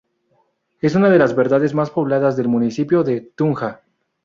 Es una de las veredas más pobladas del municipio de Tunja.